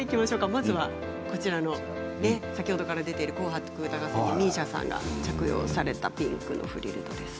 まずは、こちらの先ほどから出ている「紅白歌合戦」のＭＩＳＩＡさんが着用されたピンクのドレスです。